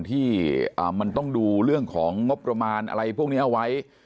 ที่มันต้องดูเรื่องของงบประมาณอะไรพวกนี้เอาไว้